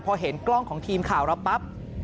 พอเห็นกล้องของทีมข่าวเราปั๊บ